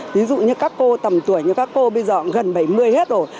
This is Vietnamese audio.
ví dụ như các cô tầm tuổi như các cô bây giờ gần bảy mươi hết rồi